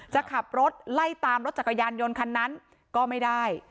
จะขับรถไล่ตามรถจักรยานยนต์คันนั้นก็ไม่ได้